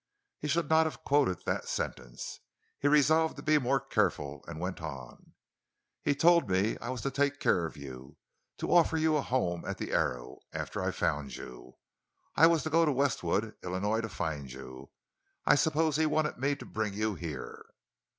He should not have quoted that sentence. He resolved to be more careful; and went on: "He told me I was to take care of you, to offer you a home at the Arrow—after I found you. I was to go to Westwood, Illinois, to find you. I suppose he wanted me to bring you here."